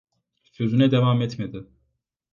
Sözüne devam etmedi.